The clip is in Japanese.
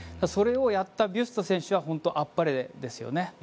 それをやったビュスト選手は本当あっぱれですよね。